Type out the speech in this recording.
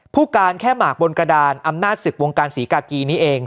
ผู้การแค่หมากบนกระดานอำนาจศึกวงการศรีกากีนี้เอง